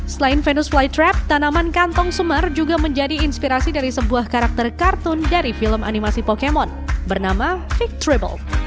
selain venus flytrap tanaman kantong sumar juga menjadi inspirasi dari sebuah karakter kartun dari film animasi pokemon bernama victreeble